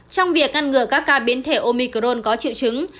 trong việc ngăn ngừa các ca biến thể omicrone có triệu chứng